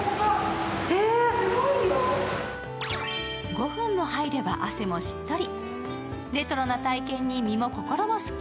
５分も入れば汗もしっとり。